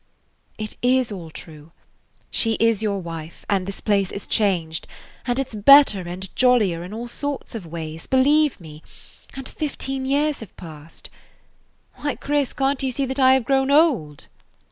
"It is all true. She is your wife, and this place is changed, and it 's better and jollier in all sorts of ways, believe me, and fifteen years have passed. Why, Chris, can't you see that I have grown old?"